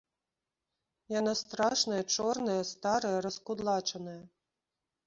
Яна страшная, чорная, старая, раскудлачаная.